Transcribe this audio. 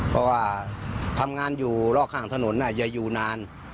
เพราะว่าทำงานอยู่รอบข้างถนนอย่าอยู่นาน